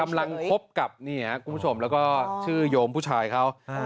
กำลังครบกับคุณผู้ชมแล้วก็ชื่อโยมผู้ชายเค้า